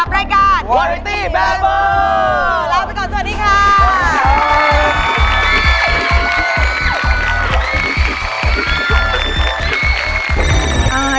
แล้วไปก่อนสวัสดีค่ะ